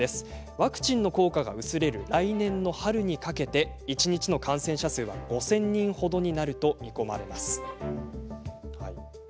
ワクチンの効果が薄れる来年の春にかけて一日の感染者数は５０００人ほどになると見込まれます。